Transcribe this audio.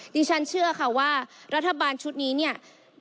ดิฉันเชื่อค่ะว่ารัฐบาลชุดนี้เนี่ย